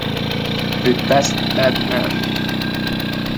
The Best Bad Man